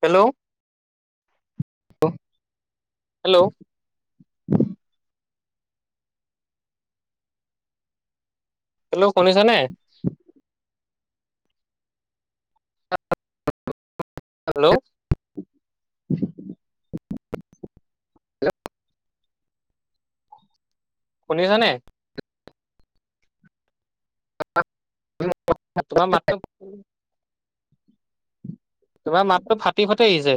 Hello. [unintelligible] Hello. Hello শুনিছা নে? অ। হেল্ল'। শুনিছানে? [unintelligible] তোমাৰ মাতটো তোমাৰ মাতটো ফাটি ফাটি আহিছে।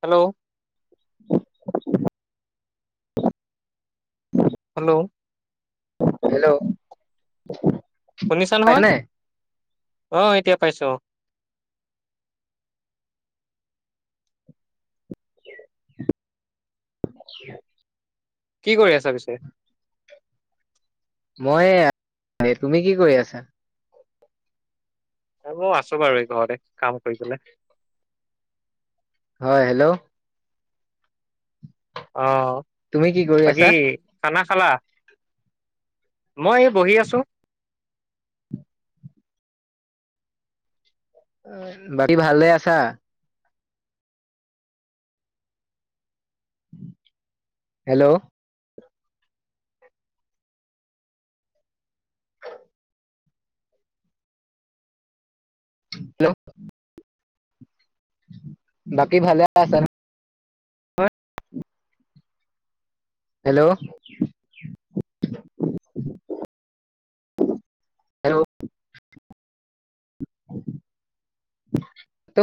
হেল্ল'। হেল্ল'। হেল্ল'। শুনিছা নহয়? পাইছানে? অ', এতিয়া পাইছো অ'। [inaudible] কি কৰি আছা পিছে? মই তুমি কি কৰি আছা। মই আছো বাৰু এই ঘৰতে কাম কৰিলে। হয়, হেল্ল'। অহ। তুমি কি কৰি আছা? খালা, মই এই বহি আছো। বাকী ভালে আছা? হেল্ল'। হেল্ল'। বাকী ভালে আছা? [unintelligible] হেল্ল'। হেল্ল'। [inaudible]